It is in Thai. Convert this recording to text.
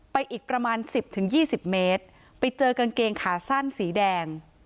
อีกประมาณสิบถึงยี่สิบเมตรไปเจอกางเกงขาสั้นสีแดง